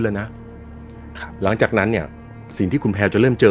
เลยนะครับหลังจากนั้นเนี่ยสิ่งที่คุณแพลวจะเริ่มเจอ